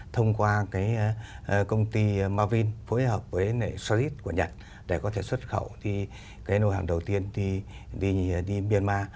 thông qua cái công ty marvin phối hợp với soviet của nhật để có thể xuất khẩu đi cái nô hàng đầu tiên đi myanmar